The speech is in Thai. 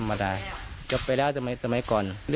มันก็ไม่ค่อยหนักเลย